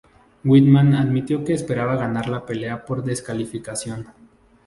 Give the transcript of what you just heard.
Weidman admitió que esperaba ganar la pelea por descalificación.